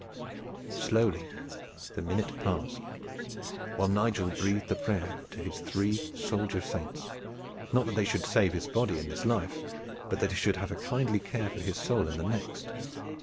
Slowly the minute passed, while Nigel breathed a prayer to his three soldier saints, not that they should save his body in this life, but that they should have a kindly care for his soul in the next.